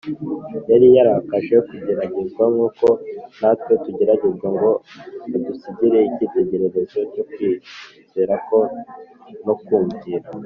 Yari yaraje kugeragezwa nk’uko natwe tugeragezwa, ngo adusigire icyitegererezo cyo kwizera no kumvira.